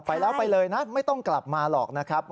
ไปแล้วไปเลยนะไม่ต้องกลับมาหรอกนะครับ